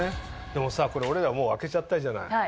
でもさこれ俺らもう開けちゃったじゃない？